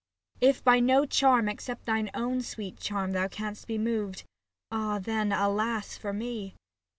If by no charm except thine own sweet charm Thou can'st be moved, ah then, alas, for me